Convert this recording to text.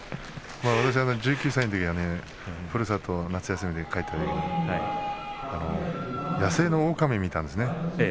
私は１９歳のころはふるさとに夏休みで帰ったら野性のオオカミを見たんですね